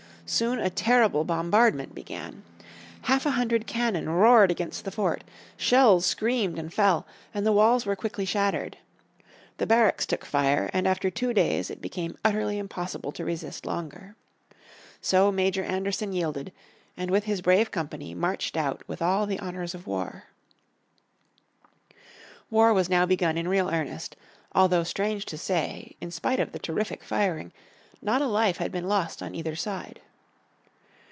Soon a terrible bombardment began. Half a hundred cannon roared against the fort, shells screamed and fell, and the walls were quickly shattered. The barracks took fire, and after two days it became utterly impossible to resist longer. So Major Anderson yielded, and with his brave company marched out with all the honours of war. War was now begun in real earnest, although strange to say, in spite of the terrific firing, not a life had been lost on either side.